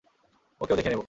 ওকেও দেখে নেবো।